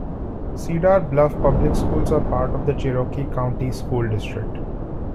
Cedar Bluff Public Schools are part of the Cherokee County School District.